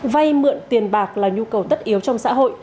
vay mượn tiền bạc là nhu cầu tất yếu trong xã hội